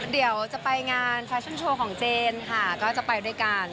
เดี๋ยวจะไปงานแฟชั่นโชว์ของเจนค่ะก็จะไปด้วยกัน